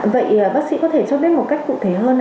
vậy bác sĩ có thể cho biết một cách cụ thể hơn